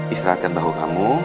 istirahatkan bahu kamu